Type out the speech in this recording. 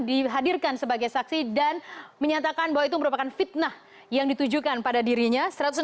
dihadirkan sebagai saksi dan menyatakan bahwa itu merupakan fitnah yang ditujukan pada dirinya